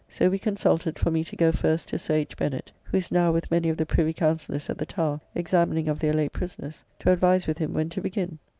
So we consulted for me to go first to Sir H. Bennet, who is now with many of the Privy Counsellors at the Tower, examining of their late prisoners, to advise with him when to begin.